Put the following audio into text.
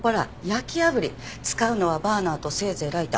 使うのはバーナーとせいぜいライター。